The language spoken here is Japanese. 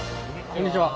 こんにちは。